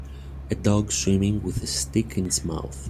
A dog swimming with a stick in its mouth.